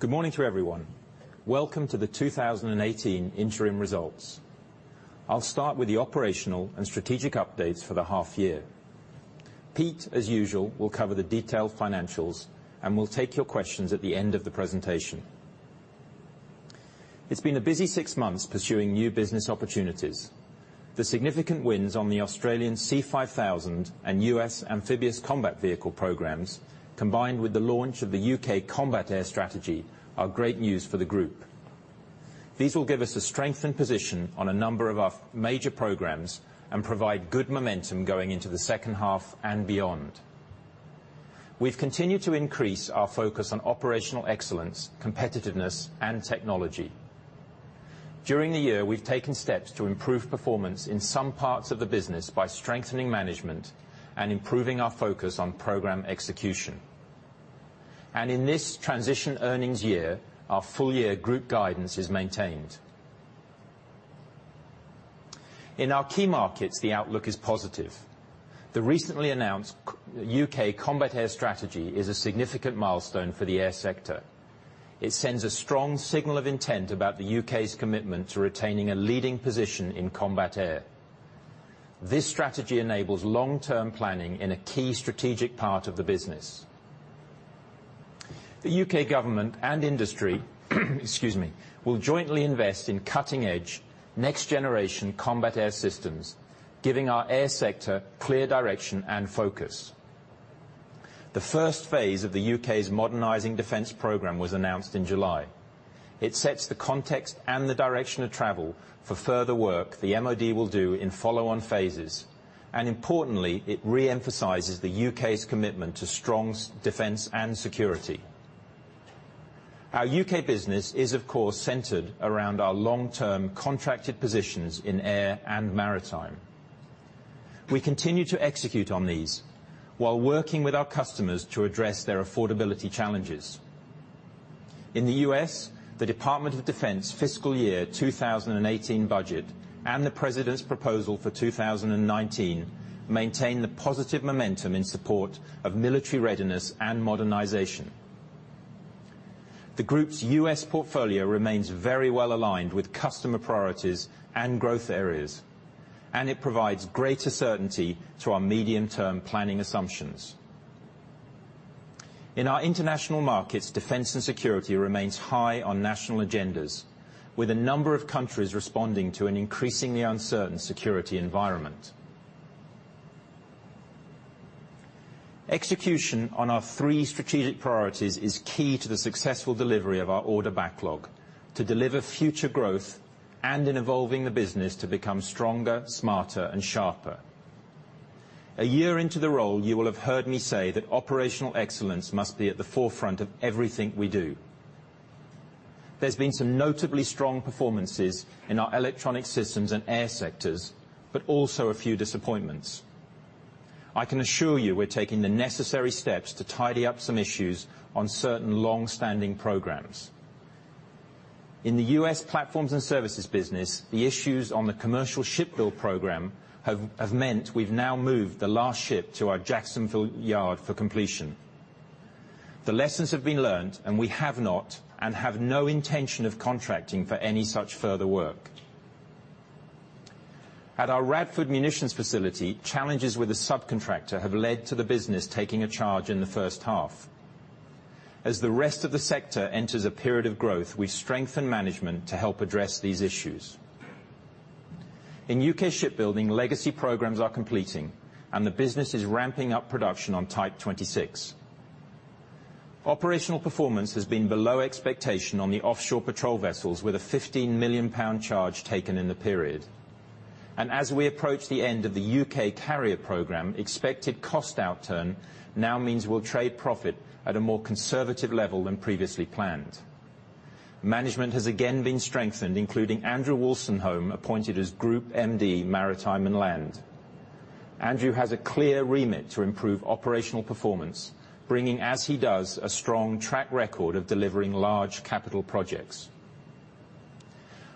Good morning to everyone. Welcome to the 2018 interim results. I'll start with the operational and strategic updates for the half year. Pete, as usual, will cover the detailed financials, and we'll take your questions at the end of the presentation. It's been a busy six months pursuing new business opportunities. The significant wins on the Australian SEA 5000 and U.S. Amphibious Combat Vehicle programs, combined with the launch of the U.K. Combat Air Strategy, are great news for the group. These will give us a strengthened position on a number of our major programs and provide good momentum going into the second half and beyond. We've continued to increase our focus on operational excellence, competitiveness, and technology. During the year, we've taken steps to improve performance in some parts of the business by strengthening management and improving our focus on program execution. In this transition earnings year, our full year group guidance is maintained. In our key markets, the outlook is positive. The recently announced U.K. Combat Air Strategy is a significant milestone for the air sector. It sends a strong signal of intent about the U.K.'s commitment to retaining a leading position in combat air. This strategy enables long-term planning in a key strategic part of the business. The U.K. government and industry, excuse me, will jointly invest in cutting-edge, next-generation combat air systems, giving our air sector clear direction and focus. The first phase of the U.K.'s modernizing defense program was announced in July. It sets the context and the direction of travel for further work the MOD will do in follow-on phases, and importantly, it re-emphasizes the U.K.'s commitment to strong defense and security. Our U.K. business is, of course, centered around our long-term contracted positions in air and maritime. We continue to execute on these while working with our customers to address their affordability challenges. In the U.S., the Department of Defense Fiscal Year 2018 budget and the President's proposal for 2019 maintain the positive momentum in support of military readiness and modernization. The group's U.S. portfolio remains very well aligned with customer priorities and growth areas, and it provides greater certainty to our medium-term planning assumptions. In our international markets, defense and security remains high on national agendas, with a number of countries responding to an increasingly uncertain security environment. Execution on our three strategic priorities is key to the successful delivery of our order backlog, to deliver future growth, and in evolving the business to become stronger, smarter, and sharper. A year into the role, you will have heard me say that operational excellence must be at the forefront of everything we do. There's been some notably strong performances in our Electronic Systems and air sectors, but also a few disappointments. I can assure you we're taking the necessary steps to tidy up some issues on certain longstanding programs. In the U.S. Platforms & Services business, the issues on the commercial ship build program have meant we've now moved the last ship to our Jacksonville yard for completion. The lessons have been learned, and we have not, and have no intention of contracting for any such further work. At our Radford Munitions facility, challenges with a subcontractor have led to the business taking a charge in the first half. As the rest of the sector enters a period of growth, we strengthen management to help address these issues. In U.K. shipbuilding, legacy programs are completing, and the business is ramping up production on Type 26. Operational performance has been below expectation on the Offshore Patrol Vessels, with a 15 million pound charge taken in the period. As we approach the end of the U.K. carrier program, expected cost outturn now means we'll trade profit at a more conservative level than previously planned. Management has again been strengthened, including Andrew Wolstenholme, appointed as Group MD, Maritime and Land. Andrew has a clear remit to improve operational performance, bringing, as he does, a strong track record of delivering large capital projects.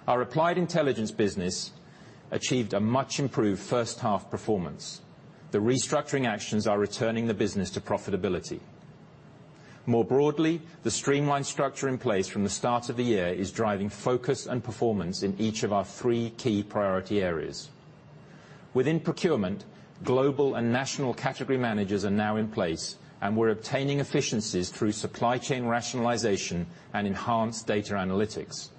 Our Applied Intelligence business achieved a much improved first-half performance. The restructuring actions are returning the business to profitability. More broadly, the streamlined structure in place from the start of the year is driving focus and performance in each of our three key priority areas. Within procurement, global and national category managers are now in place, and we're obtaining efficiencies through supply chain rationalization and enhanced data analytics.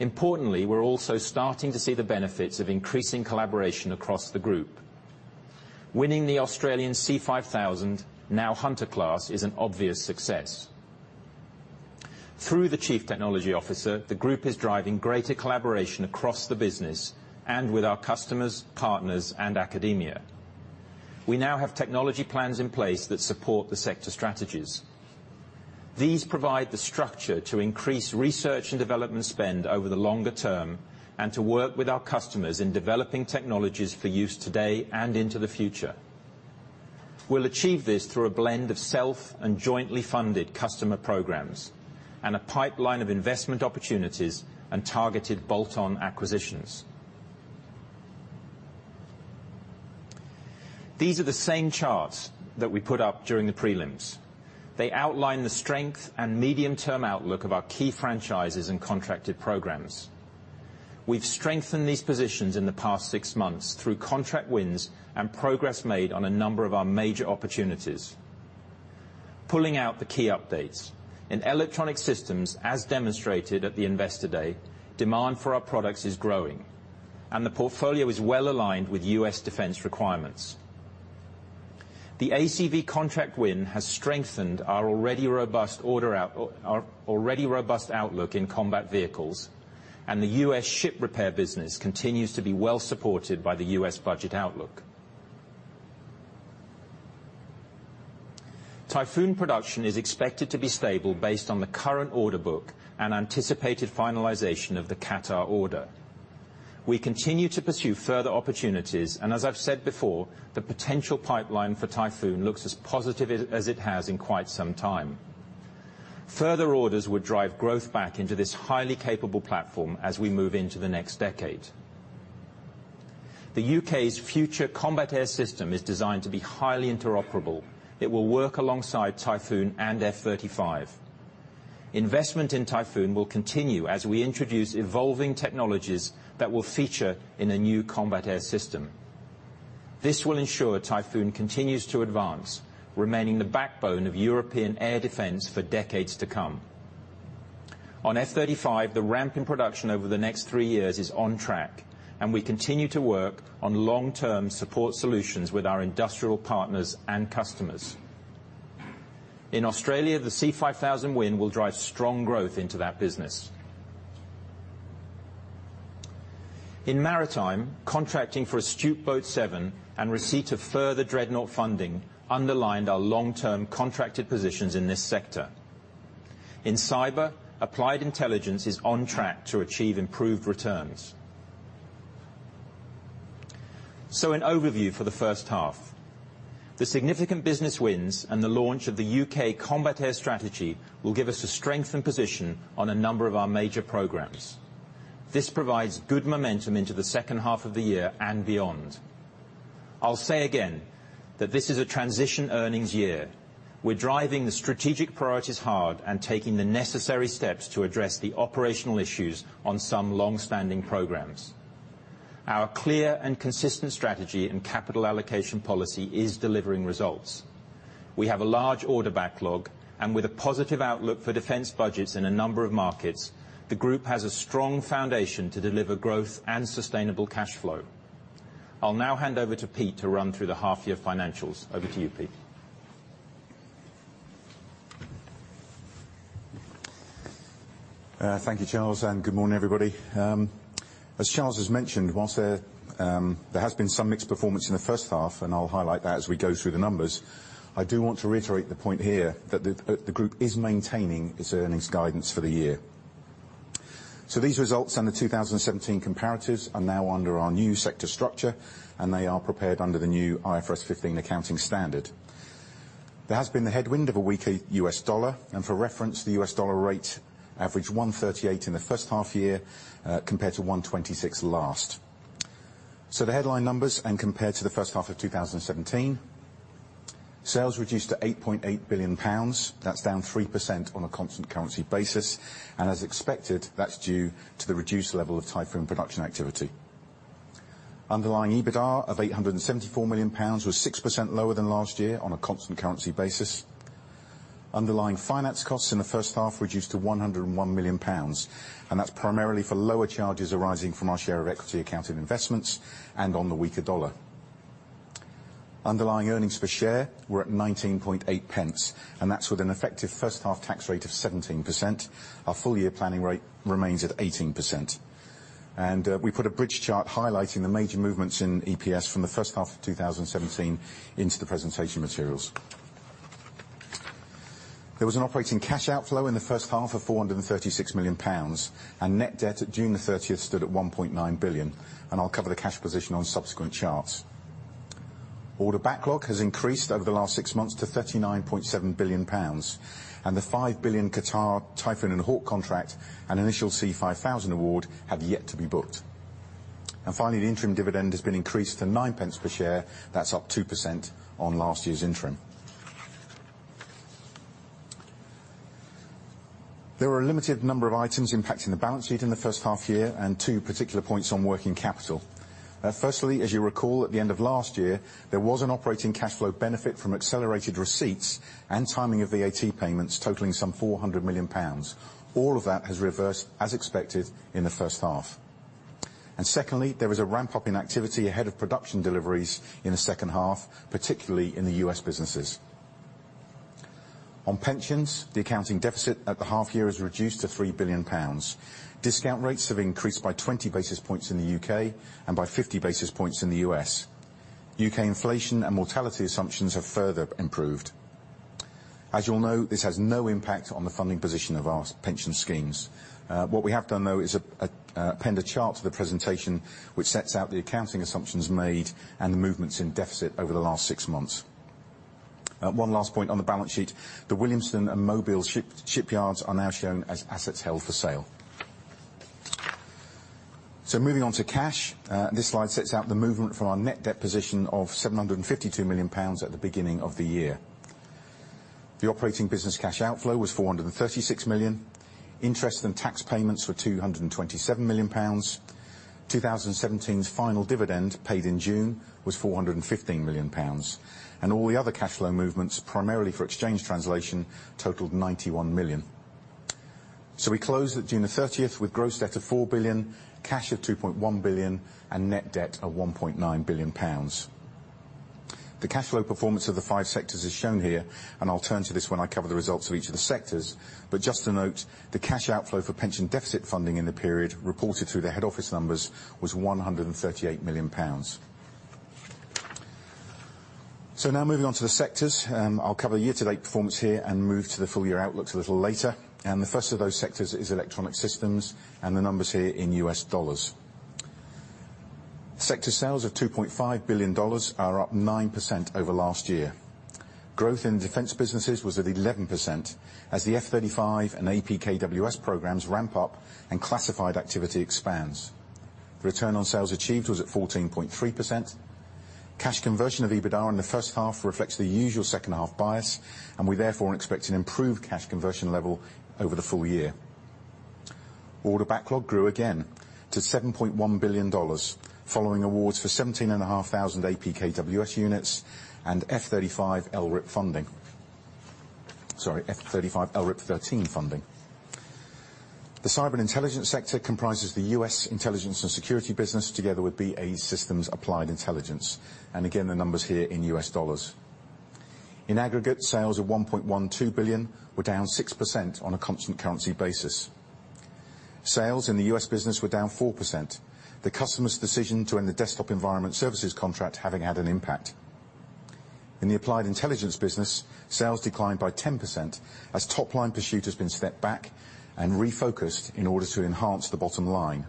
Importantly, we're also starting to see the benefits of increasing collaboration across the group. Winning the Australian SEA 5000, now Hunter class, is an obvious success. Through the Chief Technology Officer, the group is driving greater collaboration across the business and with our customers, partners, and academia. We now have technology plans in place that support the sector strategies. These provide the structure to increase research and development spend over the longer term and to work with our customers in developing technologies for use today and into the future. We'll achieve this through a blend of self and jointly funded customer programs and a pipeline of investment opportunities and targeted bolt-on acquisitions. These are the same charts that we put up during the prelims. They outline the strength and medium-term outlook of our key franchises and contracted programs. We've strengthened these positions in the past six months through contract wins and progress made on a number of our major opportunities. Pulling out the key updates. In Electronic Systems, as demonstrated at the Investor Day, demand for our products is growing, and the portfolio is well-aligned with U.S. defense requirements. The ACV contract win has strengthened our already robust outlook in combat vehicles, and the U.S. ship repair business continues to be well-supported by the U.S. budget outlook. Typhoon production is expected to be stable based on the current order book and anticipated finalization of the Qatar order. We continue to pursue further opportunities, and as I've said before, the potential pipeline for Typhoon looks as positive as it has in quite some time. Further orders would drive growth back into this highly capable platform as we move into the next decade. The U.K.'s Future Combat Air System is designed to be highly interoperable. It will work alongside Typhoon and F-35. Investment in Typhoon will continue as we introduce evolving technologies that will feature in a new combat air system. This will ensure Typhoon continues to advance, remaining the backbone of European air defense for decades to come. On F-35, the ramp in production over the next three years is on track, and we continue to work on long-term support solutions with our industrial partners and customers. In Australia, the SEA 5000 win will drive strong growth into that business. In maritime, contracting for Astute Boat 7 and receipt of further Dreadnought funding underlined our long-term contracted positions in this sector. In cyber, Applied Intelligence is on track to achieve improved returns. An overview for the first half. The significant business wins and the launch of the U.K. Combat Air Strategy will give us a strengthened position on a number of our major programs. This provides good momentum into the second half of the year and beyond. I'll say again that this is a transition earnings year. We're driving the strategic priorities hard and taking the necessary steps to address the operational issues on some longstanding programs. Our clear and consistent strategy and capital allocation policy is delivering results. We have a large order backlog, and with a positive outlook for defense budgets in a number of markets, the group has a strong foundation to deliver growth and sustainable cash flow. I'll now hand over to Pete to run through the half-year financials. Over to you, Pete. Thank you, Charles, and good morning, everybody. As Charles has mentioned, whilst there has been some mixed performance in the first half, and I'll highlight that as we go through the numbers, I do want to reiterate the point here that the group is maintaining its earnings guidance for the year. These results and the 2017 comparatives are now under our new sector structure, and they are prepared under the new IFRS 15 accounting standard. There has been the headwind of a weaker U.S. dollar, and for reference, the U.S. dollar rate averaged 138 in the first half year, compared to 126 last. The headline numbers and compared to the first half of 2017, sales reduced to 8.8 billion pounds. That's down 3% on a constant currency basis, and as expected, that's due to the reduced level of Typhoon production activity. Underlying EBITA of 874 million pounds was 6% lower than last year on a constant currency basis. Underlying finance costs in the first half reduced to 101 million pounds, and that's primarily for lower charges arising from our share of equity accounted investments and on the weaker dollar. Underlying earnings per share were at 0.198, and that's with an effective first half tax rate of 17%. Our full-year planning rate remains at 18%. We put a bridge chart highlighting the major movements in EPS from the first half of 2017 into the presentation materials. There was an operating cash outflow in the first half of 436 million pounds, and net debt at June the 30th stood at 1.9 billion, and I'll cover the cash position on subsequent charts. Order backlog has increased over the last six months to 39.7 billion pounds. The 5 billion Qatar Typhoon and Hawk contract and initial SEA 5000 award have yet to be booked. Finally, the interim dividend has been increased to 0.09 per share. That's up 2% on last year's interim. There were a limited number of items impacting the balance sheet in the first half year and two particular points on working capital. Firstly, as you recall, at the end of last year, there was an operating cash flow benefit from accelerated receipts and timing of VAT payments totaling some 400 million pounds. All of that has reversed, as expected, in the first half. Secondly, there was a ramp-up in activity ahead of production deliveries in the second half, particularly in the U.S. businesses. On pensions, the accounting deficit at the half year is reduced to 3 billion pounds. Discount rates have increased by 20 basis points in the U.K. and by 50 basis points in the U.S. U.K. inflation and mortality assumptions have further improved. As you all know, this has no impact on the funding position of our pension schemes. What we have done, though, is append a chart to the presentation which sets out the accounting assumptions made and the movements in deficit over the last six months. One last point on the balance sheet. The Williamstown and Mobile shipyards are now shown as assets held for sale. Moving on to cash, this slide sets out the movement from our net debt position of 752 million pounds at the beginning of the year. The operating business cash outflow was 436 million. Interest and tax payments were 227 million pounds. 2017's final dividend, paid in June, was 415 million pounds. All the other cash flow movements, primarily for exchange translation, totaled 91 million. We closed at June 30th with gross debt of 4 billion, cash of 2.1 billion, and net debt of 1.9 billion pounds. The cash flow performance of the five sectors is shown here. I'll turn to this when I cover the results of each of the sectors. Just to note, the cash outflow for pension deficit funding in the period, reported through the head office numbers, was 138 million pounds. Now moving on to the sectors. I'll cover the year-to-date performance here and move to the full-year outlook a little later. The first of those sectors is Electronic Systems, and the numbers here in U.S. dollars. Sector sales of $2.5 billion are up 9% over last year. Growth in the defense businesses was at 11%, as the F-35 and APKWS programs ramp up and classified activity expands. The return on sales achieved was at 14.3%. Cash conversion of EBITDA in the first half reflects the usual second half bias. We therefore expect an improved cash conversion level over the full year. Order backlog grew again to $7.1 billion, following awards for 17,500 APKWS units and F-35 LRIP funding. Sorry, F-35 LRIP 13 funding. The Cyber & Intelligence sector comprises the U.S. intelligence and security business, together with BAE Systems Applied Intelligence. Again, the numbers here in U.S. dollars. In aggregate, sales of $1.12 billion were down 6% on a constant currency basis. Sales in the U.S. business were down 4%, the customer's decision to end the desktop environment services contract having had an impact. In the Applied Intelligence business, sales declined by 10% as top-line pursuit has been stepped back and refocused in order to enhance the bottom line.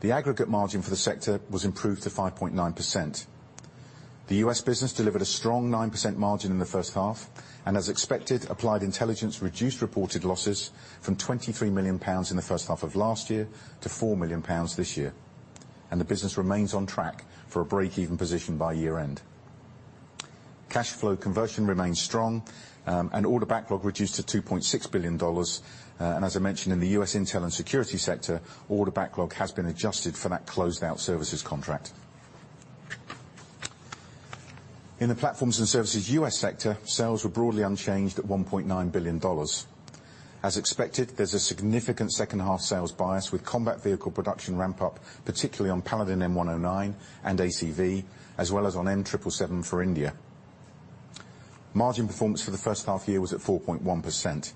The aggregate margin for the sector was improved to 5.9%. The U.S. business delivered a strong 9% margin in the first half. As expected, Applied Intelligence reduced reported losses from 23 million pounds in the first half of last year to 4 million pounds this year. The business remains on track for a break-even position by year-end. Cash flow conversion remains strong. Order backlog reduced to $2.6 billion. As I mentioned in the U.S. intel and security sector, order backlog has been adjusted for that closed-out services contract. In the Platforms & Services U.S. sector, sales were broadly unchanged at $1.9 billion. As expected, there's a significant second-half sales bias with combat vehicle production ramp up, particularly on Paladin M109 and ACV, as well as on M777 for India. Margin performance for the first half year was at 4.1%.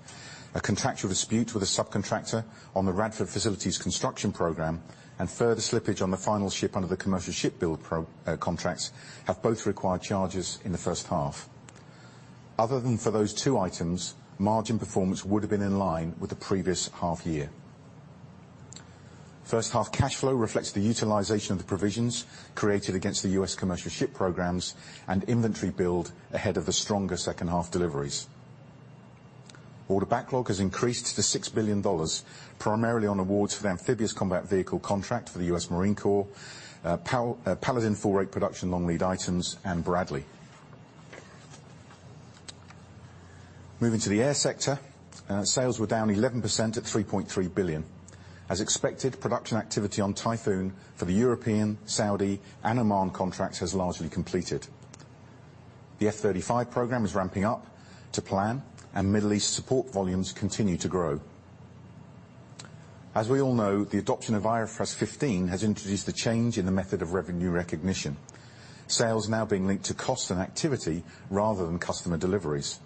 A contractual dispute with a subcontractor on the Radford facilities construction program and further slippage on the final ship under the commercial ship build contracts have both required charges in the first half. Other than for those two items, margin performance would have been in line with the previous half year. First half cash flow reflects the utilization of the provisions created against the U.S. commercial ship programs and inventory build ahead of the stronger second half deliveries. Order backlog has increased to $6 billion, primarily on awards for the Amphibious Combat Vehicle contract for the U.S. Marine Corps, Paladin full-rate production long-lead items, and Bradley. Moving to the air sector. Sales were down 11% at 3.3 billion. As expected, production activity on Typhoon for the European, Saudi, and Oman contracts has largely completed. The F-35 program is ramping up to plan, and Middle East support volumes continue to grow. As we all know, the adoption of IFRS 15 has introduced a change in the method of revenue recognition. Sales now being linked to cost and activity rather than customer deliveries.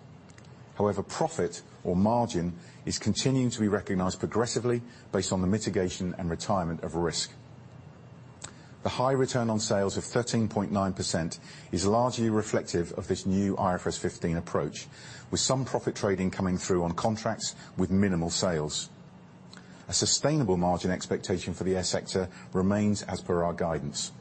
However, profit or margin is continuing to be recognized progressively based on the mitigation and retirement of risk. The high return on sales of 13.9% is largely reflective of this new IFRS 15 approach, with some profit trading coming through on contracts with minimal sales. A sustainable margin expectation for the air sector remains as per our guidance.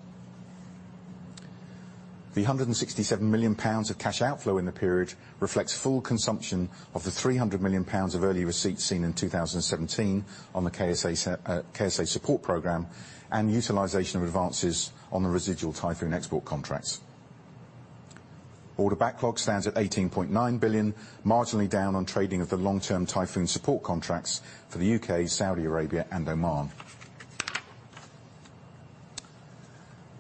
The 167 million pounds of cash outflow in the period reflects full consumption of the 300 million pounds of early receipts seen in 2017 on the KSA support program and utilization of advances on the residual Typhoon export contracts. Order backlog stands at 18.9 billion, marginally down on trading of the long-term Typhoon support contracts for the U.K., Saudi Arabia, and Oman.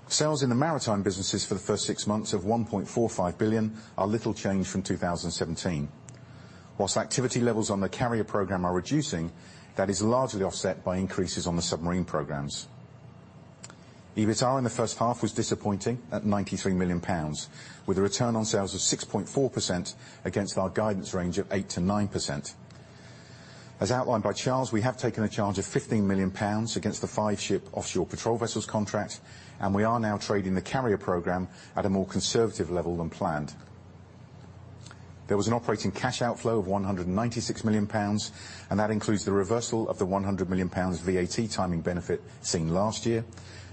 Sales in the maritime businesses for the first six months of 1.45 billion are little change from 2017. Whilst activity levels on the carrier program are reducing, that is largely offset by increases on the submarine programs. EBITA in the first half was disappointing at 93 million pounds, with a return on sales of 6.4% against our guidance range of 8%-9%. As outlined by Charles, we have taken a charge of 15 million pounds against the five-ship Offshore Patrol Vessels contract, and we are now trading the carrier program at a more conservative level than planned. There was an operating cash outflow of 196 million pounds, and that includes the reversal of the 100 million pounds VAT timing benefit seen last year,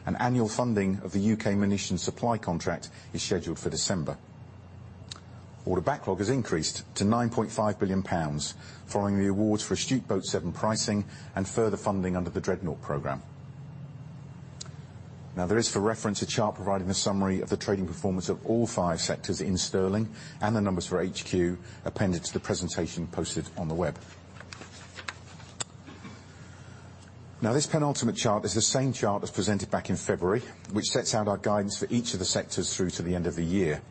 and annual funding of the U.K. munition supply contract is scheduled for December. Order backlog has increased to 9.5 billion pounds, following the awards for Astute Boat 7 pricing and further funding under the Dreadnought program. There is, for reference, a chart providing the summary of the trading performance of all five sectors in sterling, and the numbers for HQ appended to the presentation posted on the web. This penultimate chart is the same chart that is presented back in February, which sets out our guidance for each of the sectors through to the end of the year.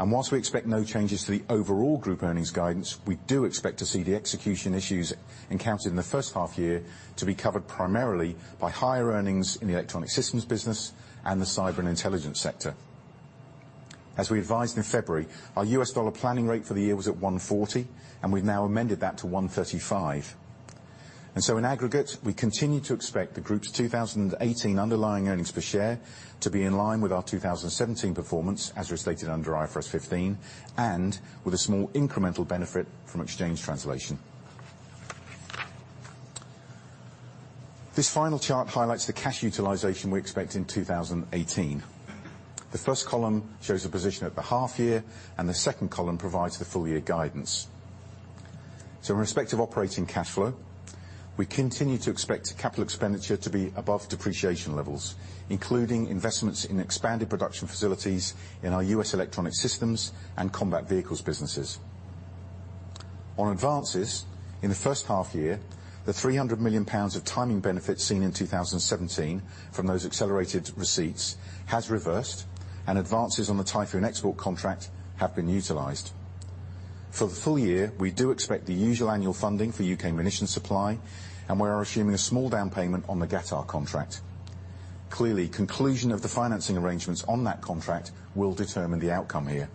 Whilst we expect no changes to the overall group earnings guidance, we do expect to see the execution issues encountered in the first half year to be covered primarily by higher earnings in the Electronic Systems business and the Cyber & Intelligence sector. As we advised in February, our U.S. dollar planning rate for the year was at 140, and we have now amended that to 135. In aggregate, we continue to expect the group's 2018 underlying earnings per share to be in line with our 2017 performance, as restated under IFRS 15, and with a small incremental benefit from exchange translation. This final chart highlights the cash utilization we expect in 2018. The first column shows the position at the half year. The second column provides the full year guidance. In respect of operating cash flow, we continue to expect capital expenditure to be above depreciation levels, including investments in expanded production facilities in our U.S. Electronic Systems and combat vehicles businesses. On advances in the first half year, the 300 million pounds of timing benefits seen in 2017 from those accelerated receipts has reversed. Advances on the Typhoon export contract have been utilized. For the full year, we do expect the usual annual funding for U.K. munition supply. We are assuming a small down payment on the Qatar contract. Clearly, conclusion of the financing arrangements on that contract will determine the outcome here.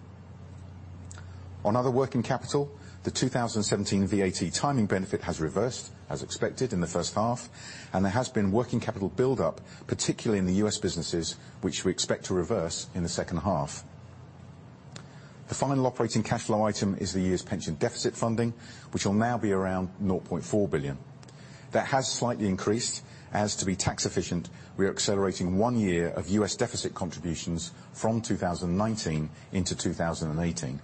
On other working capital, the 2017 VAT timing benefit has reversed, as expected in the first half. There has been working capital build-up, particularly in the U.S. businesses, which we expect to reverse in the second half. The final operating cash flow item is the year's pension deficit funding, which will now be around $0.4 billion. That has slightly increased, as to be tax efficient, we are accelerating one year of U.S. deficit contributions from 2019 into 2018.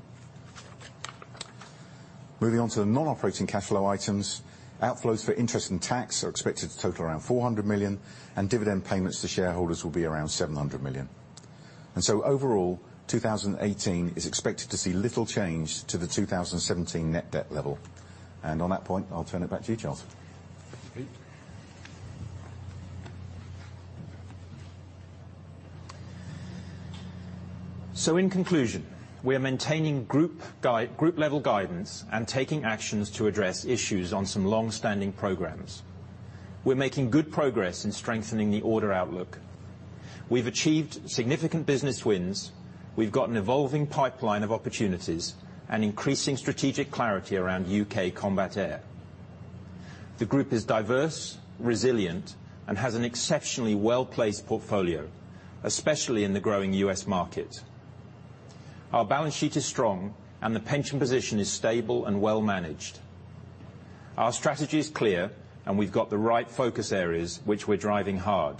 Moving on to the non-operating cash flow items, outflows for interest and tax are expected to total around 400 million. Dividend payments to shareholders will be around 700 million. Overall, 2018 is expected to see little change to the 2017 net debt level. On that point, I will turn it back to you, Charles. Thanks, Pete. In conclusion, we are maintaining group-level guidance. Taking actions to address issues on some long-standing programs. We are making good progress in strengthening the order outlook. We have achieved significant business wins. We have got an evolving pipeline of opportunities. Increasing strategic clarity around U.K. combat air. The group is diverse, resilient. Has an exceptionally well-placed portfolio, especially in the growing U.S. market. Our balance sheet is strong. The pension position is stable and well-managed. Our strategy is clear. We have got the right focus areas, which we are driving hard.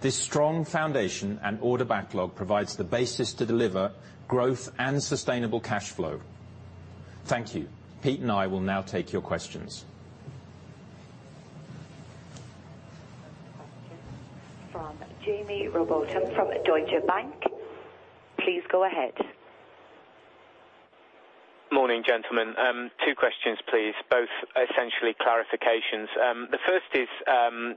This strong foundation and order backlog provides the basis to deliver growth and sustainable cash flow. Thank you. Pete and I will now take your questions. First question from Jaime Rowbotham from Deutsche Bank. Please go ahead. Morning, gentlemen. Two questions, please. Both essentially clarifications. The first is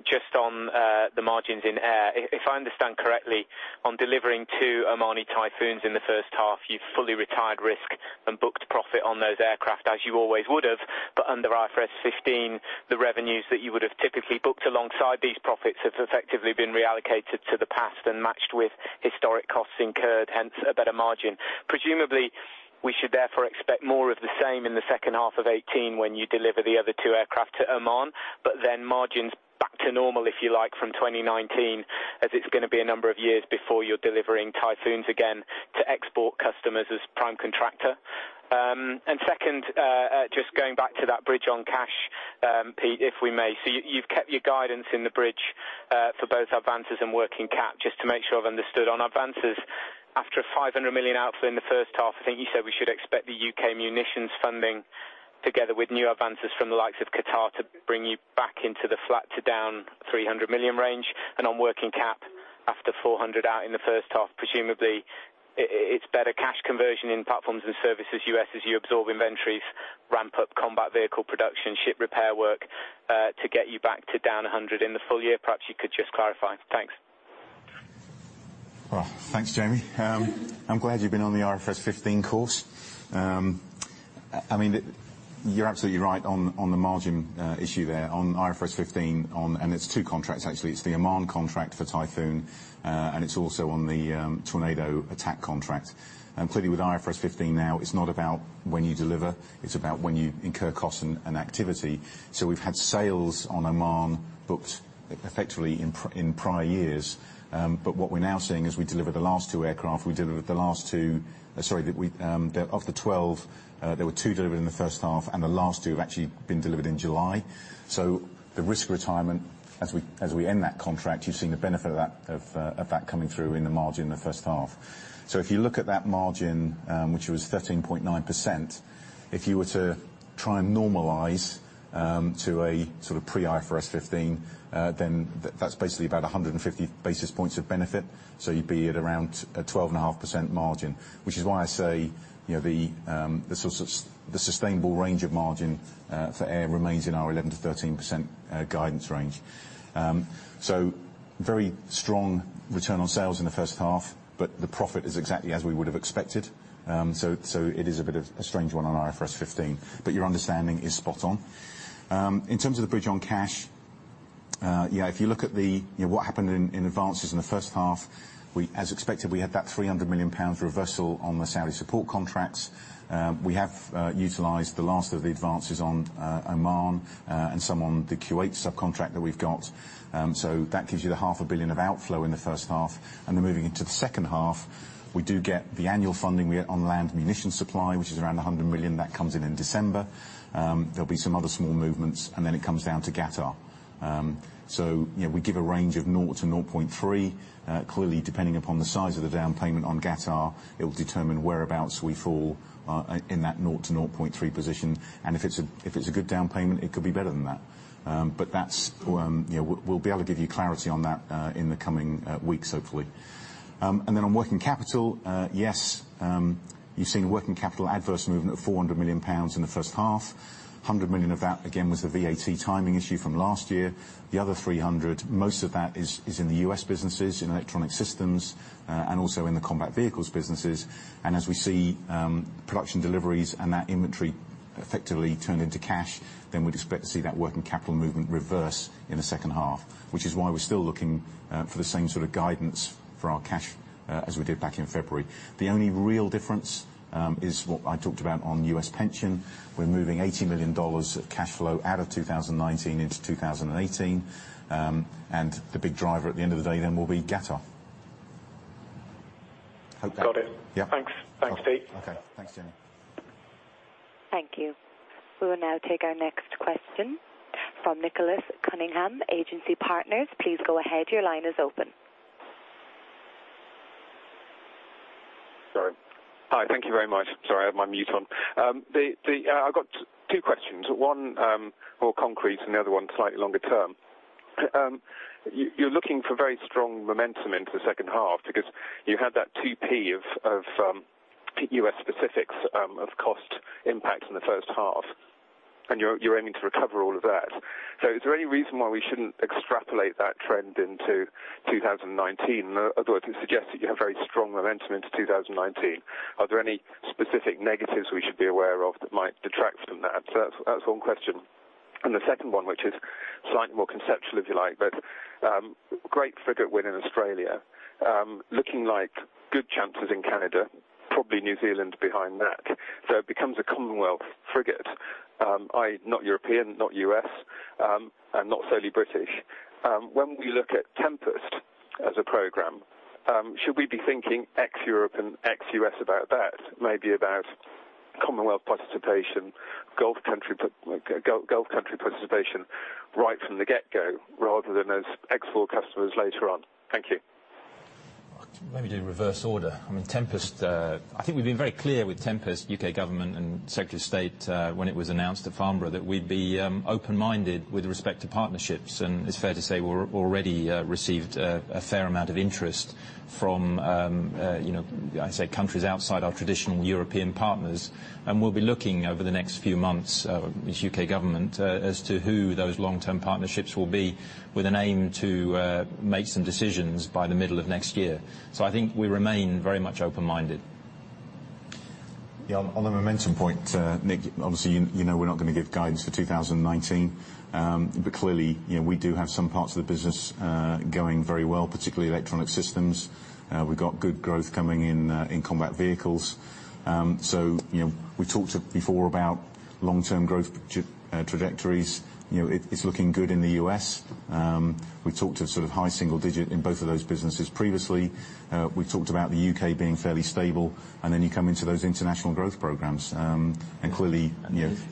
just on the margins in air. If I understand correctly, on delivering two Omani Typhoons in the first half, you've fully retired risk and booked profit on those aircraft as you always would have, but under IFRS 15, the revenues that you would have typically booked alongside these profits has effectively been reallocated to the past and matched with historic costs incurred, hence a better margin. Presumably, we should therefore expect more of the same in the second half of 2018 when you deliver the other two aircraft to Oman, but then margins back to normal, if you like, from 2019, as it's going to be a number of years before you're delivering Typhoons again to export customers as prime contractor. Second, just going back to that bridge on cash, Pete, if we may. You've kept your guidance in the bridge for both advances and working cap. Just to make sure I've understood, on advances, after a 500 million outflow in the first half, I think you said we should expect the U.K. munitions funding together with new advances from the likes of Qatar to bring you back into the flat to down 300 million range. On working cap, after 400 out in the first half, presumably it's better cash conversion in Platforms & Services, U.S. as you absorb inventories, ramp up combat vehicle production, ship repair work, to get you back to down 100 in the full year. Perhaps you could just clarify. Thanks. Well, thanks, Jaime. I'm glad you've been on the IFRS 15 course. You're absolutely right on the margin issue there on IFRS 15 and it's two contracts, actually. It's the Oman contract for Typhoon, and it's also on the Tornado attack contract. Clearly with IFRS 15 now, it's not about when you deliver, it's about when you incur costs and activity. We've had sales on Oman booked effectively in prior years. What we're now seeing is we deliver the last two aircraft, the last two Sorry, of the 12, there were two delivered in the first half, and the last two have actually been delivered in July. The risk retirement, as we end that contract, you've seen the benefit of that coming through in the margin in the first half. If you look at that margin, which was 13.9%, if you were to try and normalize to a pre-IFRS 15, then that's basically about 150 basis points of benefit. You'd be at around a 12.5% margin, which is why I say, the sustainable range of margin for Air remains in our 11%-13% guidance range. Very strong return on sales in the first half, but the profit is exactly as we would have expected. It is a bit of a strange one on IFRS 15, but your understanding is spot on. In terms of the bridge on cash, if you look at what happened in advances in the first half, as expected, we had that 300 million pounds reversal on the Saudi support contracts. We have utilized the last of the advances on Oman, and some on the Kuwait subcontract that we've got. That gives you the half a billion of outflow in the first half. Moving into the second half, we do get the annual funding we get on land munition supply, which is around 100 million. That comes in in December. There'll be some other small movements, and then it comes down to Qatar. We give a range of 0-0.3. Clearly, depending upon the size of the down payment on Qatar, it will determine whereabouts we fall in that 0-0.3 position. If it's a good down payment, it could be better than that. We'll be able to give you clarity on that in the coming weeks, hopefully. On working capital, yes, you've seen a working capital adverse movement of 400 million pounds in the first half, 100 million of that, again, was the VAT timing issue from last year. The other 300 million, most of that is in the U.S. businesses, in Electronic Systems, and also in the combat vehicles businesses. As we see production deliveries and that inventory effectively turn into cash, then we'd expect to see that working capital movement reverse in the second half, which is why we're still looking for the same sort of guidance for our cash as we did back in February. The only real difference, is what I talked about on U.S. pension. We're moving $80 million of cash flow out of 2019 into 2018. The big driver at the end of the day then will be Qatar. Got it. Yeah. Thanks. Thanks, Steve. Okay. Thanks, Jaime. Thank you. We will now take our next question from Nick Cunningham, Agency Partners. Please go ahead. Your line is open. Sorry. Hi. Thank you very much. Sorry, I had my mute on. I've got two questions, one more concrete and the other one slightly longer term. You're looking for very strong momentum into the second half because you had that 0.02 of U.S. specifics, of cost impacts in the first half, and you're aiming to recover all of that. Is there any reason why we shouldn't extrapolate that trend into 2019? In other words, you suggest that you have very strong momentum into 2019. Are there any specific negatives we should be aware of that might detract from that? That's one question. The second one, which is slightly more conceptual, if you like, but great frigate win in Australia, looking like good chances in Canada, probably New Zealand behind that. It becomes a Commonwealth frigate, i.e., not European, not U.S., and not solely British. When we look at Tempest as a program, should we be thinking ex-Europe and ex-U.S. about that? Maybe about Commonwealth participation, Gulf country participation right from the get-go rather than those export customers later on. Thank you. Maybe do reverse order. I think we've been very clear with Tempest, U.K. government and Secretary of State, when it was announced at Farnborough, that we'd be open-minded with respect to partnerships. It's fair to say we've already received a fair amount of interest from countries outside our traditional European partners. We'll be looking over the next few months with U.K. government as to who those long-term partnerships will be, with an aim to make some decisions by the middle of next year. I think we remain very much open-minded. Yeah, on the momentum point, Nick, obviously, you know we're not going to give guidance for 2019. Clearly, we do have some parts of the business going very well, particularly Electronic Systems. We've got good growth coming in combat vehicles. We talked before about long-term growth trajectories. It's looking good in the U.S. We talked of high single digit in both of those businesses previously. We talked about the U.K. being fairly stable. You come into those international growth programs. Clearly,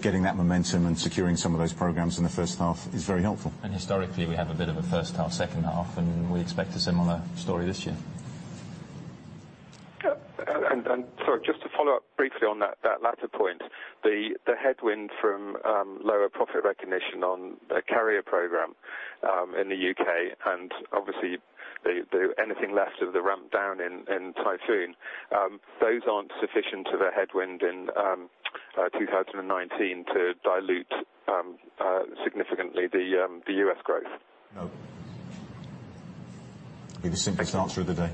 getting that momentum and securing some of those programs in the first half is very helpful. Historically, we have a bit of a first half, second half, and we expect a similar story this year. Sorry, just to follow up briefly on that latter point, the headwind from lower profit recognition on the carrier program in the U.K., and obviously anything left of the ramp down in Typhoon, those aren't sufficient to the headwind in 2019 to dilute significantly the U.S. growth? No. Be the simplest answer of the day.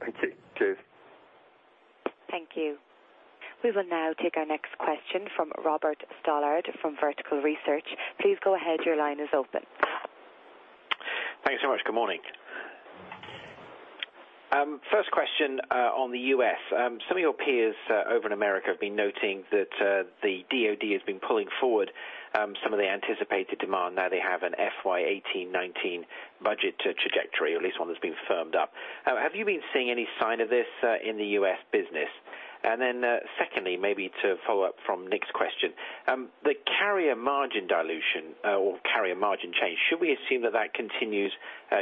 Thank you. Cheers. Thank you. We will now take our next question from Robert Stallard from Vertical Research. Please go ahead, your line is open. Thanks much. Good morning. First question, on the U.S. Some of your peers over in America have been noting that the DoD has been pulling forward some of the anticipated demand. Now they have an FY 2018/2019 budget trajectory, or at least one that's been firmed up. Have you been seeing any sign of this in the U.S. business? Then secondly, maybe to follow up from Nick's question, the carrier margin dilution or carrier margin change, should we assume that that continues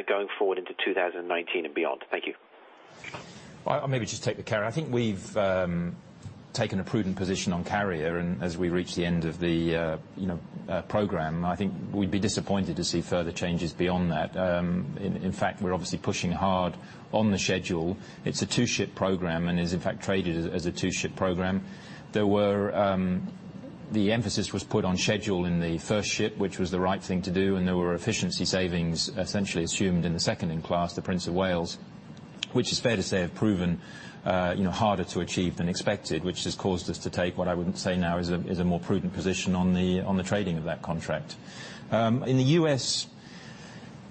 going forward into 2019 and beyond? Thank you. I'll maybe just take the Carrier. I think we've taken a prudent position on Carrier, and as we reach the end of the program, I think we'd be disappointed to see further changes beyond that. In fact, we're obviously pushing hard on the schedule. It's a two-ship program and is, in fact, traded as a two-ship program. The emphasis was put on schedule in the first ship, which was the right thing to do, and there were efficiency savings essentially assumed in the second-in-class, the HMS Prince of Wales, which is fair to say have proven harder to achieve than expected, which has caused us to take what I would say now is a more prudent position on the trading of that contract. In the U.S.,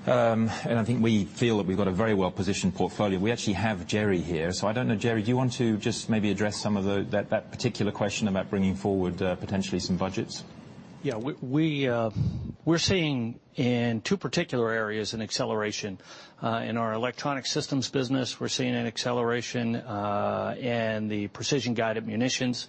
I think we feel that we've got a very well-positioned portfolio. We actually have [Gerry] here. I don't know, [Gerry], do you want to just maybe address some of that particular question about bringing forward potentially some budgets? We're seeing in two particular areas an acceleration. In our Electronic Systems business, we're seeing an acceleration, and the precision-guided munitions,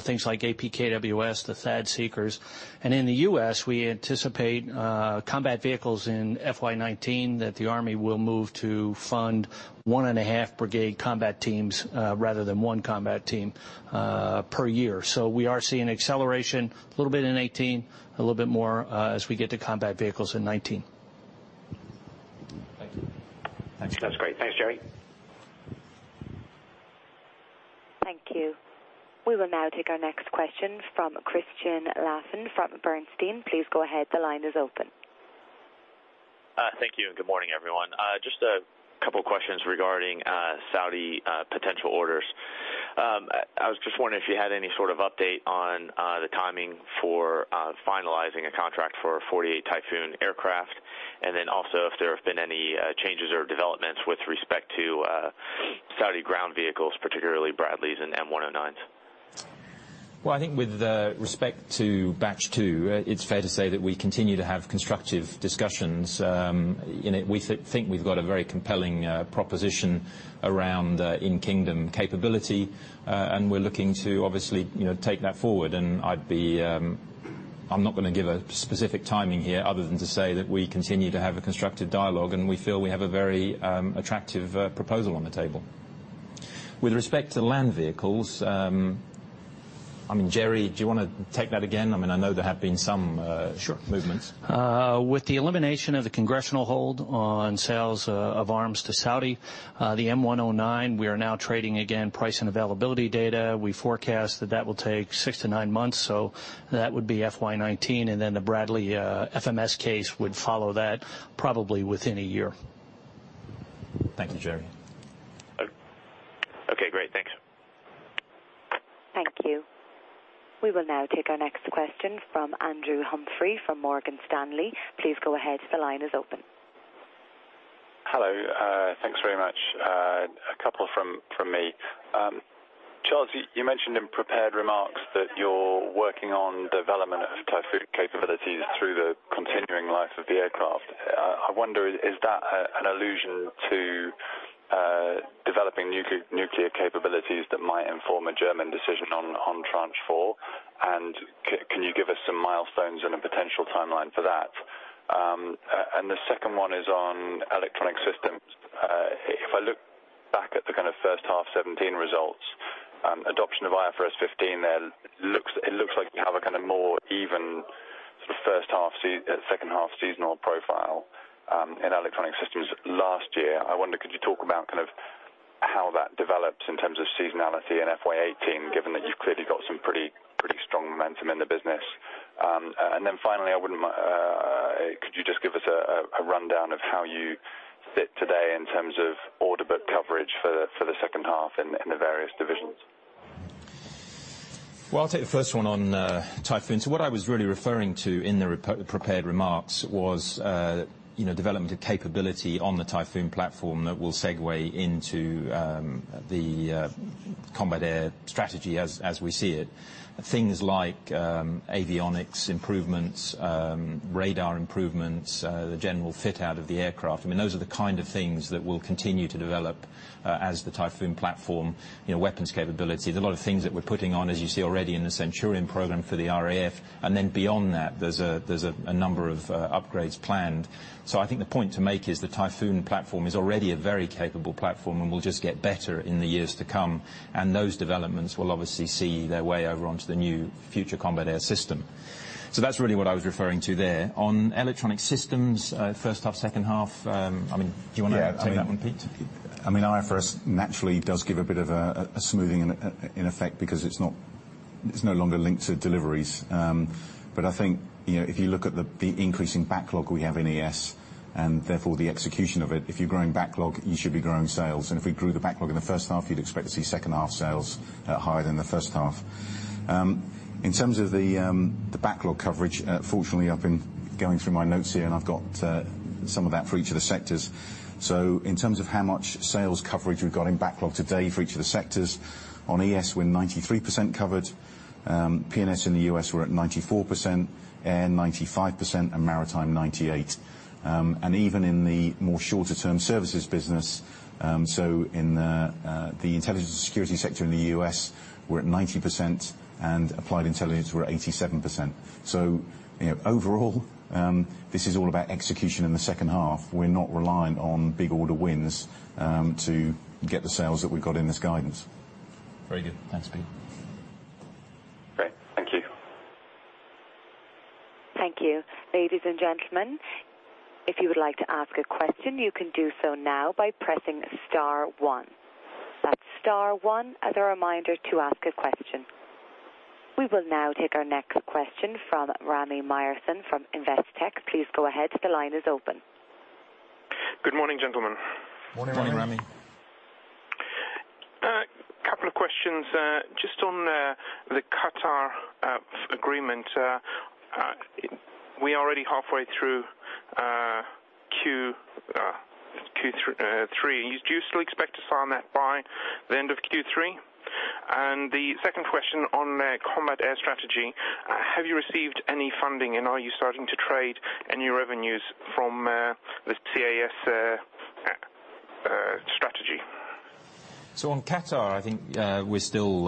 things like APKWS, the THAAD seekers. In the U.S., we anticipate combat vehicles in FY 2019 that the Army will move to fund 1.5 brigade combat teams rather than one combat team per year. We are seeing acceleration a little bit in 2018, a little bit more as we get to combat vehicles in 2019. Thank you. Thanks. That's great. Thanks, [Gerry]. Thank you. We will now take our next question from Christian Larsen from Bernstein. Please go ahead. The line is open. Thank you. Good morning, everyone. Just a couple questions regarding Saudi potential orders. I was just wondering if you had any sort of update on the timing for finalizing a contract for a 48 Typhoon aircraft, then also if there have been any changes or developments with respect to Saudi ground vehicles, particularly Bradleys and M109s. Well, I think with respect to Batch II, it's fair to say that we continue to have constructive discussions. We think we've got a very compelling proposition around in-kingdom capability, we're looking to obviously take that forward. I'm not going to give a specific timing here other than to say that we continue to have a constructive dialogue, we feel we have a very attractive proposal on the table. With respect to land vehicles, [Gerry], do you want to take that again? Sure movements. With the elimination of the congressional hold on sales of arms to Saudi, the M109, we are now trading again, price and availability data. We forecast that that will take six to nine months, so that would be FY 2019, and then the Bradley FMS case would follow that probably within a year. Thank you, [Gerry]. Okay, great. Thanks. Thank you. We will now take our next question from Andrew Humphrey from Morgan Stanley. Please go ahead. The line is open. Hello. Thanks very much. A couple from me. Charles, you mentioned in prepared remarks that you are working on development of Typhoon capabilities through the continuing life of the aircraft. I wonder, is that an allusion to developing nuclear capabilities that might inform a German decision on Tranche 4? Can you give us some milestones and a potential timeline for that? The second one is on Electronic Systems. If I look back at the first half 2017 results, adoption of IFRS 15, it looks like you have a more even sort of first half, second half seasonal profile in Electronic Systems last year. I wonder, could you talk about how that develops in terms of seasonality in FY 2018, given that you have clearly got some pretty strong momentum in the business? Finally, could you just give us a rundown of how you sit today in terms of order book coverage for the second half in the various divisions? I will take the first one on Typhoon. What I was really referring to in the prepared remarks was development of capability on the Typhoon platform that will segue into the Combat Air Strategy as we see it. Things like avionics improvements, radar improvements, the general fit-out of the aircraft. Those are the kind of things that we will continue to develop as the Typhoon platform, weapons capabilities, a lot of things that we are putting on, as you see already, in the Project Centurion program for the RAF. Beyond that, there is a number of upgrades planned. I think the point to make is the Typhoon platform is already a very capable platform and will just get better in the years to come, and those developments will obviously see their way over onto the new Future Combat Air System. That is really what I was referring to there. On Electronic Systems, first half, second half, do you want to take that one, Pete? I mean, IFRS naturally does give a bit of a smoothing in effect because it's no longer linked to deliveries. I think, if you look at the increasing backlog we have in ES, and therefore the execution of it, if you're growing backlog, you should be growing sales. If we grew the backlog in the first half, you'd expect to see second half sales higher than the first half. In terms of the backlog coverage, fortunately, I've been going through my notes here, and I've got some of that for each of the sectors. In terms of how much sales coverage we've got in backlog today for each of the sectors, on ES, we're 93% covered. PNS in the U.S., we're at 94%, Air 95%, and Maritime 98%. Even in the more shorter-term services business, in the intelligence and security sector in the U.S., we're at 90%, and Applied Intelligence, we're 87%. Overall, this is all about execution in the second half. We're not reliant on big order wins to get the sales that we've got in this guidance. Very good. Thanks, Pete. Thank you. Ladies and gentlemen, if you would like to ask a question, you can do so now by pressing Star + 1. That's Star + 1, as a reminder, to ask a question. We will now take our next question from Rami Myerson from Investec. Please go ahead. The line is open. Good morning, gentlemen. Morning. Morning, Rami. A couple of questions. Just on the Qatar agreement, we are already halfway through Q3. Do you still expect to sign that by the end of Q3? The second question on Combat Air Strategy, have you received any funding, and are you starting to trade any revenues from the CAS strategy? On Qatar, I think we're still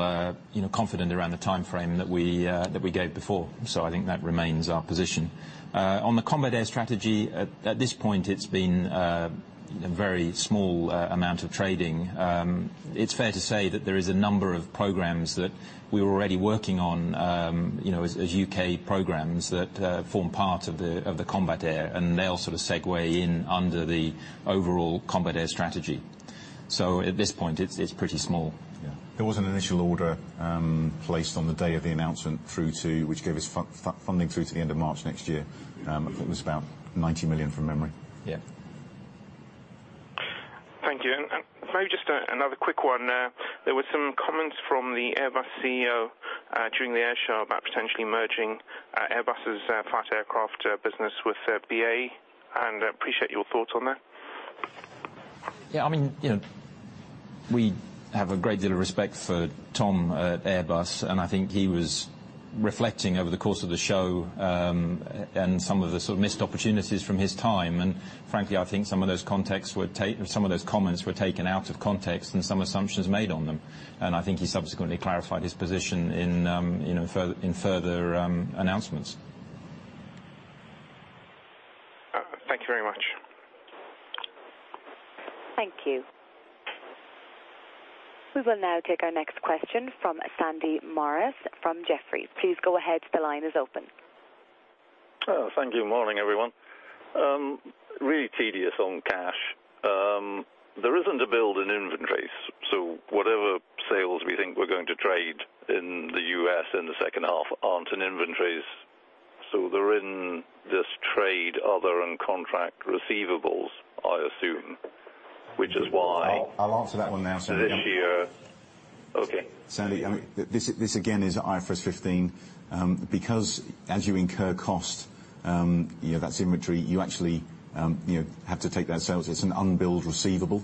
confident around the timeframe that we gave before. I think that remains our position. On the Combat Air Strategy, at this point, it's been a very small amount of trading. It's fair to say that there is a number of programs that we're already working on as U.K. programs that form part of the Combat Air, they all sort of segue in under the overall Combat Air Strategy. At this point, it's pretty small. Yeah. There was an initial order placed on the day of the announcement, which gave us funding through to the end of March next year. I think it was about 90 million, from memory. Yeah. Thank you. Maybe just another quick one. There were some comments from the Airbus CEO during the air show about potentially merging Airbus's fighter aircraft business with BAE. Appreciate your thoughts on that. Yeah, we have a great deal of respect for Tom at Airbus. I think he was reflecting over the course of the show, Some of the missed opportunities from his time. Frankly, I think some of those comments were taken out of context Some assumptions made on them. I think he subsequently clarified his position in further announcements. Thank you very much. Thank you. We will now take our next question from Sandy Morris from Jefferies. Please go ahead. The line is open. Oh, thank you. Morning, everyone. Really tedious on cash. There isn't a build in inventories. Whatever sales we think we're going to trade in the U.S. in the second half aren't in inventories. They're in this trade other and contract receivables, I assume, which is why. I'll answer that one now, Sandy. This year. Okay. Sandy, this again is IFRS 15. As you incur cost, that's inventory, you actually have to take that sale as an unbilled receivable,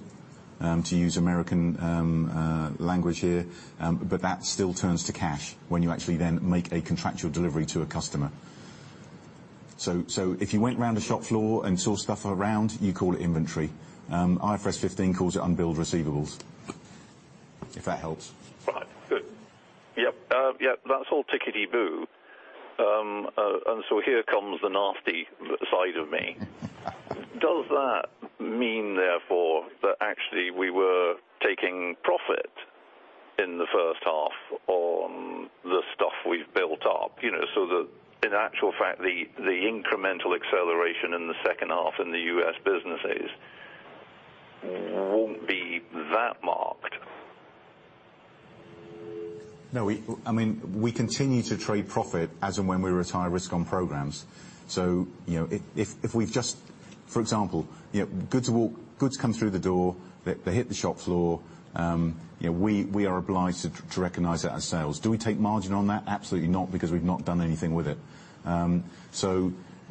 to use American language here. That still turns to cash when you actually then make a contractual delivery to a customer. If you went round the shop floor and saw stuff around, you call it inventory. IFRS 15 calls it unbilled receivables. If that helps. Right. Good. Yep. That's all tickety-boo. Here comes the nasty side of me. Does that mean therefore, that actually we were taking profit in the first half on the stuff we've built up? That in actual fact, the incremental acceleration in the second half in the U.S. businesses won't be that marked. No, we continue to trade profit as and when we retire risk on programs. If we've just, for example, goods come through the door, they hit the shop floor, we are obliged to recognize that as sales. Do we take margin on that? Absolutely not, because we've not done anything with it.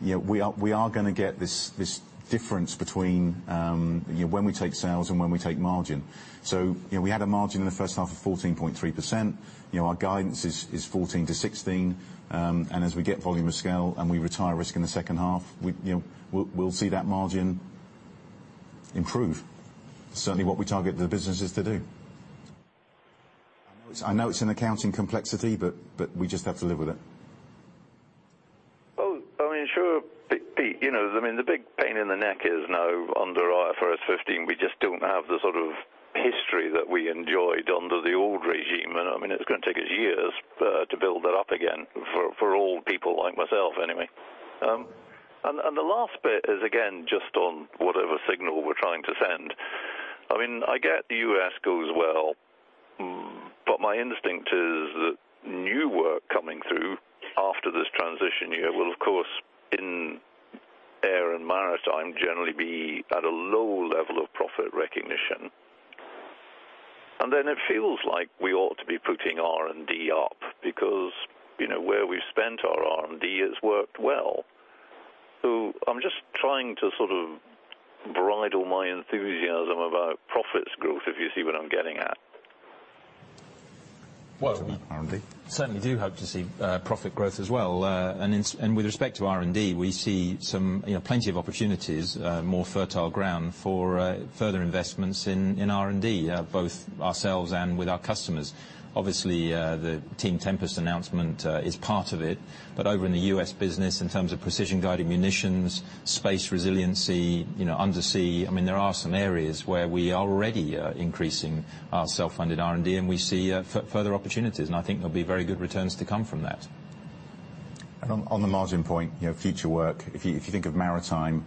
We are going to get this difference between when we take sales and when we take margin. We had a margin in the first half of 14.3%. Our guidance is 14%-16%, and as we get volume of scale and we retire risk in the second half, we'll see that margin improve. Certainly, what we target the business is to do. I know it's an accounting complexity, we just have to live with it. Well, sure, Pete. The big pain in the neck is now under IFRS 15, we just don't have the sort of history that we enjoyed under the old regime. It's going to take us years to build that up again, for old people like myself anyway. The last bit is again, just on whatever signal we're trying to send. I get the U.S. goes well, my instinct is that new work coming through after this transition year will, of course, in air and maritime, generally be at a low level of profit recognition. Then it feels like we ought to be putting R&D up because where we've spent our R&D, it's worked well. I'm just trying to sort of bridle my enthusiasm about profits growth, if you see what I'm getting at. Well- R&D certainly do hope to see profit growth as well. With respect to R&D, we see plenty of opportunities, more fertile ground for further investments in R&D, both ourselves and with our customers. Obviously, the Team Tempest announcement is part of it. Over in the U.S. business, in terms of precision-guided munitions, space resiliency, undersea, there are some areas where we are already increasing our self-funded R&D, and we see further opportunities. I think there'll be very good returns to come from that. On the margin point, future work, if you think of Maritime,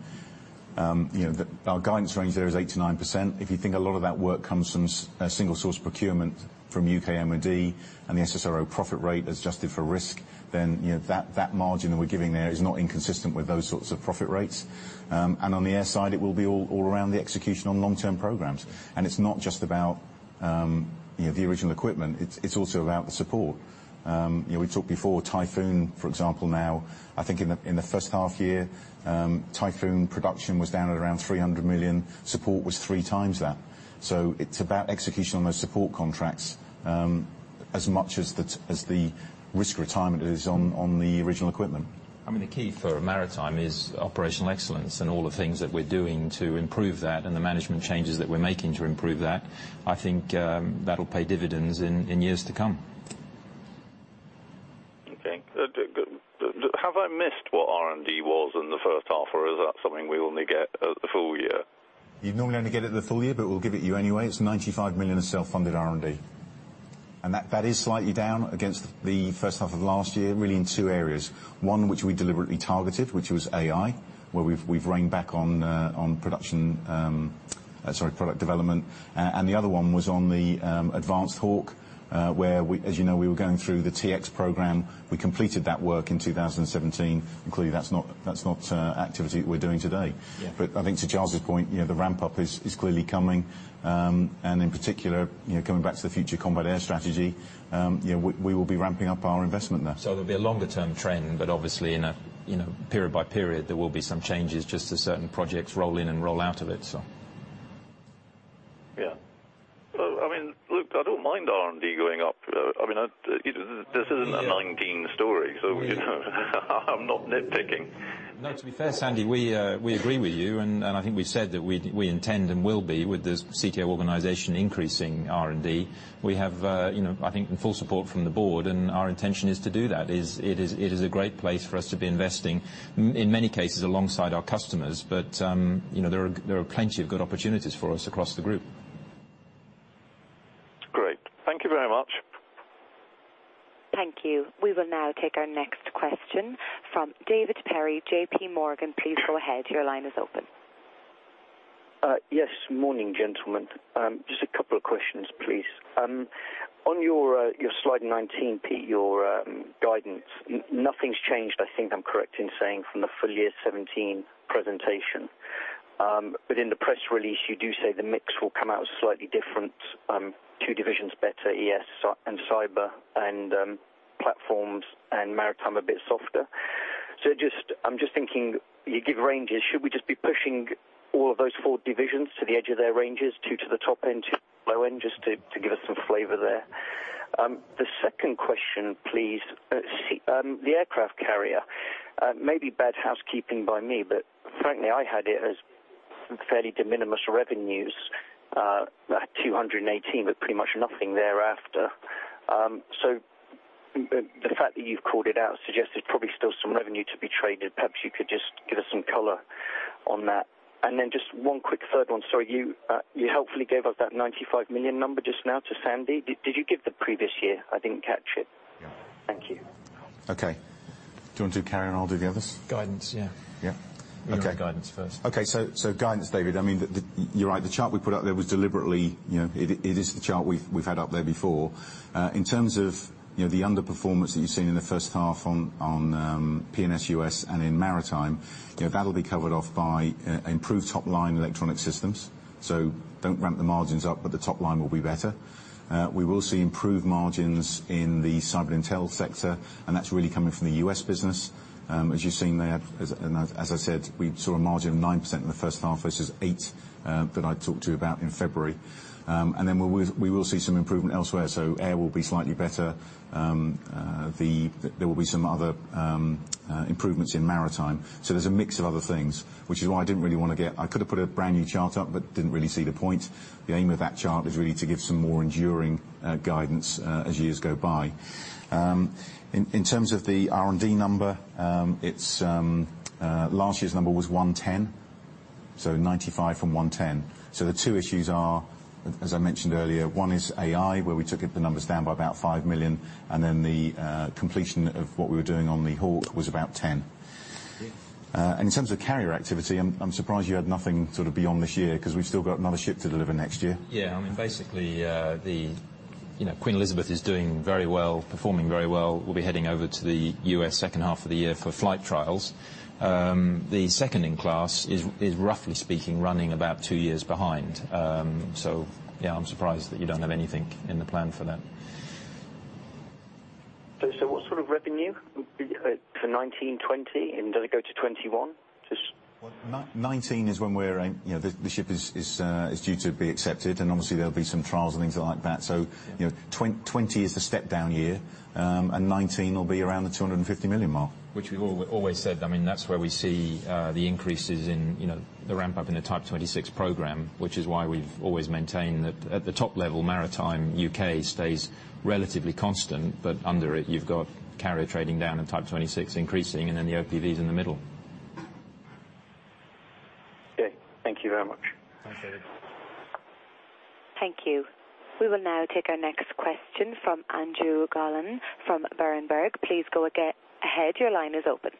our guidance range there is 89%. If you think a lot of that work comes from a single-source procurement from U.K. MOD and the SSRO profit rate as adjusted for risk, that margin that we're giving there is not inconsistent with those sorts of profit rates. On the air side, it will be all around the execution on long-term programs. It's not just about the original equipment, it's also about the support. We talked before Typhoon, for example, now, I think in the first half year, Typhoon production was down at around 300 million. Support was three times that. It's about execution on those support contracts as much as the risk retirement is on the original equipment. The key for Maritime is operational excellence and all the things that we're doing to improve that and the management changes that we're making to improve that. I think that'll pay dividends in years to come. Okay. Have I missed what R&D was in the first half, or is that something we only get at the full year? You're normally only get it at the full year, but we'll give it to you anyway. It's 95 million of self-funded R&D. That is slightly down against the first half of last year, really in two areas. One, which we deliberately targeted, which was AI, where we've reined back on production, sorry, product development. The other one was on the Advanced Hawk, where we, as you know, we were going through the T-X program. We completed that work in 2017. Clearly, that's not activity we're doing today. Yeah. I think to Charles' point, the ramp-up is clearly coming. In particular, coming back to the Future Combat Air Strategy, we will be ramping up our investment there. There'll be a longer-term trend, but obviously in a period by period, there will be some changes just as certain projects roll in and roll out of it, so. Yeah. Look, I don't mind R&D going up. This isn't a 2019 story, so I'm not nitpicking. No, to be fair, Sandy, we agree with you. I think we said that we intend and will be, with this CTO organization, increasing R&D. We have, I think, the full support from the board, and our intention is to do that. It is a great place for us to be investing, in many cases, alongside our customers. There are plenty of good opportunities for us across the group. Great. Thank you very much. Thank you. We will now take our next question from David Perry, J.P. Morgan. Please go ahead. Your line is open. Morning, gentlemen. Just a couple of questions, please. On your slide 19, Pete, your guidance. Nothing's changed, I think I'm correct in saying, from the full year 2017 presentation. In the press release, you do say the mix will come out slightly different, two divisions better, ES and Cyber and Platforms, and Maritime a bit softer. I'm just thinking, you give ranges. Should we just be pushing all of those four divisions to the edge of their ranges, two to the top end, two to the low end, just to give us some flavor there? The second question, please. The aircraft carrier. Maybe bad housekeeping by me, but frankly, I had it as fairly de minimis revenues, 218 with pretty much nothing thereafter. The fact that you've called it out suggests there's probably still some revenue to be traded. Perhaps you could just give us some color on that. Then just one quick third one. Sorry. You helpfully gave us that 95 million number just now to Sandy. Did you give the previous year? I didn't catch it. Yeah. Thank you. Okay. Do you want to do carrier, I'll do the others? Guidance, yeah. Yeah. Okay. Give me the guidance first. Guidance, David, you're right. The chart we put up there was deliberately— it is the chart we've had up there before. In terms of the underperformance that you've seen in the first half on P&S U.S. and in Maritime, that'll be covered off by improved top-line Electronic Systems. Don't ramp the margins up, but the top line will be better. We will see improved margins in the Cyber & Intelligence sector, and that's really coming from the U.S. business. As you've seen there, and as I said, we saw a margin of 9% in the first half, versus 8% that I talked to you about in February. We will see some improvement elsewhere. Air will be slightly better. There will be some other improvements in Maritime. There's a mix of other things, which is why I didn't really want to get— I could have put a brand-new chart up but didn't really see the point. The aim of that chart is really to give some more enduring guidance as years go by. In terms of the R&D number, last year's number was 110. 95 from 110. The two issues are, as I mentioned earlier, one is AI, where we took the numbers down by about 5 million, and then the completion of what we were doing on the Hawk was about 10 million. In terms of carrier activity, I'm surprised you had nothing beyond this year because we've still got another ship to deliver next year. Basically, the Queen Elizabeth is doing very well, performing very well. We'll be heading over to the U.S. second half of the year for flight trials. The second in class is, roughly speaking, running about two years behind. Yeah, I'm surprised that you don't have anything in the plan for that. What sort of revenue for 2019, 2020? Does it go to 2021? 2019 is when the ship is due to be accepted, obviously, there'll be some trials and things like that. 2020 is the step-down year, 2019 will be around the 250 million mark. Which we've always said. That's where we see the increases in the ramp-up in the Type 26 program, which is why we've always maintained that at the top level, Maritime UK stays relatively constant, but under it, you've got carrier trading down and Type 26 increasing, the OPVs in the middle. Thank you very much. Thank you. Thank you. We will now take our next question from Andrew Gollan from Berenberg. Please go ahead. Your line is open.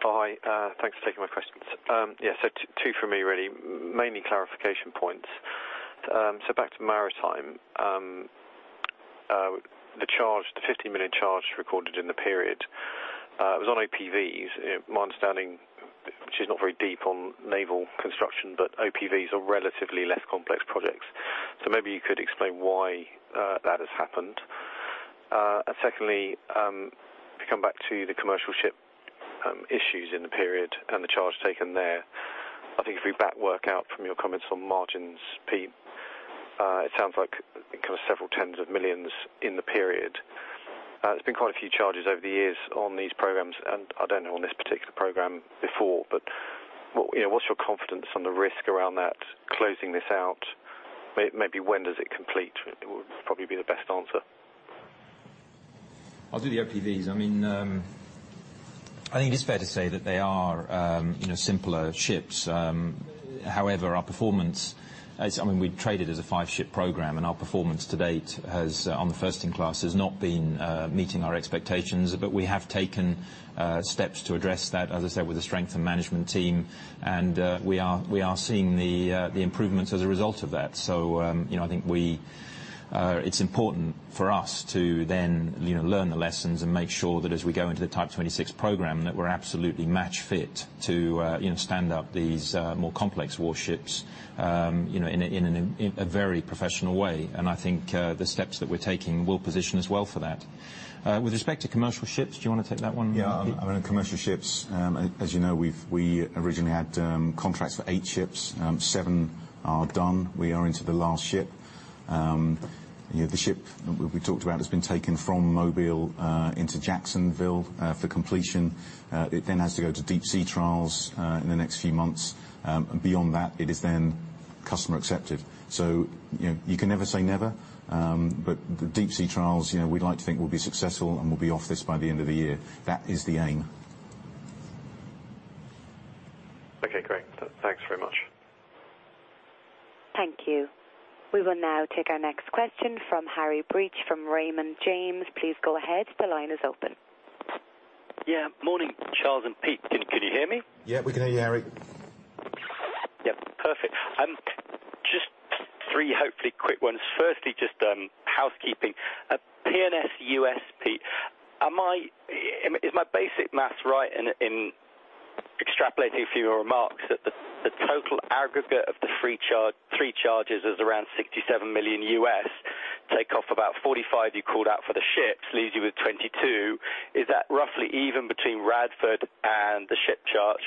Hi. Thanks for taking my questions. Two for me really. Mainly clarification points. Back to Maritime. The 50 million charge recorded in the period. It was on OPVs. My understanding, which is not very deep on naval construction, but OPVs are relatively less complex projects. Maybe you could explain why that has happened. Secondly, to come back to the commercial ship issues in the period, and the charge taken there, I think if we back work out from your comments on margins, Pete, it sounds like kind of GBP several tens of millions in the period. There has been quite a few charges over the years on these programs, and I don't know on this particular program before, but what's your confidence on the risk around that, closing this out? Maybe when does it complete would probably be the best answer. I will do the OPVs. I think it is fair to say that they are simpler ships. However, our performance, we had traded as a 5-ship program, and our performance to date on the first in class has not been meeting our expectations, but we have taken steps to address that, as I said, with the strength of management team, and we are seeing the improvements as a result of that. I think it is important for us to then learn the lessons and make sure that as we go into the Type 26 program, that we are absolutely match fit to stand up these more complex warships in a very professional way, and I think the steps that we are taking will position us well for that. With respect to commercial ships, do you want to take that one, Pete? On commercial ships, as you know, we originally had contracts for 8 ships. Seven are done. We are into the last ship. The ship we talked about has been taken from Mobile into Jacksonville for completion. It then has to go to deep sea trials in the next few months. Beyond that, it is then customer accepted. You can never say never, but the deep sea trials, we'd like to think will be successful, and we'll be off this by the end of the year. That is the aim. Okay, great. Thanks very much. Thank you. We will now take our next question from Harry Breach from Raymond James. Please go ahead. The line is open. Yeah. Morning, Charles and Pete. Can you hear me? Yeah, we can hear you, Harry. Yep. Perfect. Just three hopefully quick ones. Firstly, just housekeeping. P&S U.S. Is my basic math right in extrapolating a few of your remarks that the total aggregate of the three charges is around $67 million? Take off about $45 million you called out for the ships, leaves you with $22 million. Is that roughly even between Radford and the ship charge?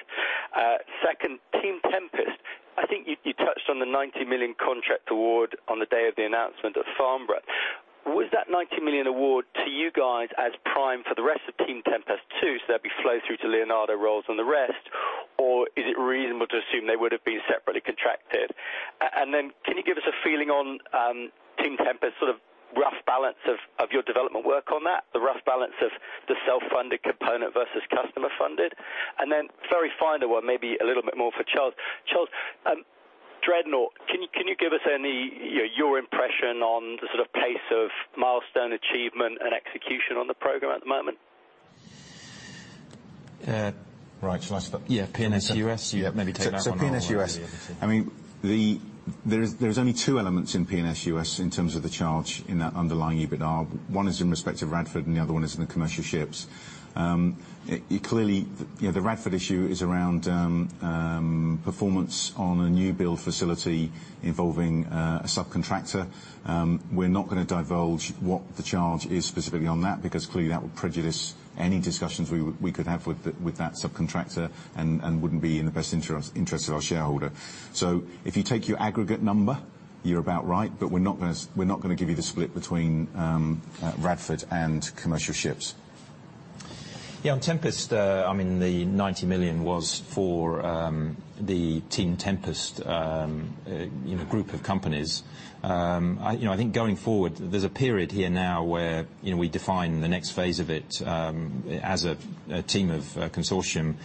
Second, Team Tempest, I think you touched on the $90 million contract award on the day of the announcement at Farnborough. Was that $90 million award to you guys as prime for the rest of Team Tempest too, so there'd be flow through to Leonardo, Rolls, and the rest, or is it reasonable to assume they would've been separately contracted? Can you give us a feeling on Team Tempest, sort of rough balance of your development work on that, the rough balance of the self-funded component versus customer funded? Very final one, maybe a little bit more for Charles. Charles, Dreadnought. Can you give us your impression on the sort of pace of milestone achievement and execution on the program at the moment? Right. Shall I start? Yeah, P&S U.S. Maybe take that one. P&S U.S. There's only two elements in P&S U.S. in terms of the charge in that underlying EBITDA. One is in respect of Radford, and the other one is in the commercial ships. The Radford issue is around performance on a new build facility involving a subcontractor. We're not going to divulge what the charge is specifically on that, because clearly that would prejudice any discussions we could have with that subcontractor and wouldn't be in the best interest of our shareholder. If you take your aggregate number, you're about right, but we're not going to give you the split between Radford and commercial ships. On Tempest, the $90 million was for the Team Tempest group of companies. I think going forward, there's a period here now where we define the next phase of it, as a team of consortium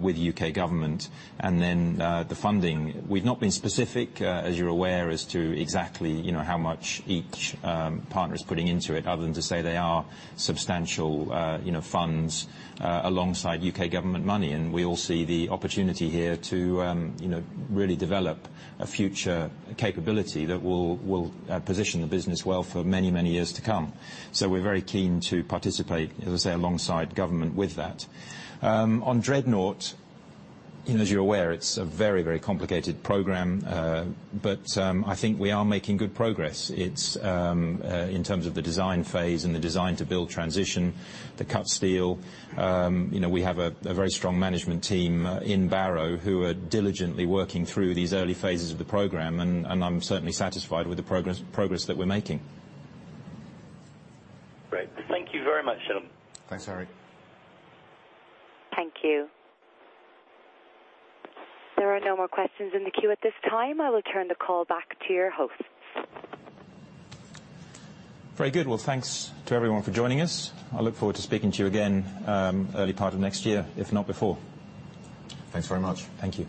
with U.K. government. Then the funding. We've not been specific, as you're aware, as to exactly how much each partner is putting into it, other than to say they are substantial funds alongside U.K. government money, and we all see the opportunity here to really develop a future capability that will position the business well for many, many years to come. We're very keen to participate, as I say, alongside government with that. On Dreadnought, as you're aware, it's a very, very complicated program. I think we are making good progress. In terms of the design phase and the design-to-build transition, the cut steel, we have a very strong management team in Barrow who are diligently working through these early phases of the program. I'm certainly satisfied with the progress that we're making. Great. Thank you very much. Thanks, Harry. Thank you. There are no more questions in the queue at this time. I will turn the call back to your host. Very good. Well, thanks to everyone for joining us. I look forward to speaking to you again early part of next year, if not before. Thanks very much. Thank you.